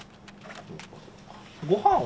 ごはんは？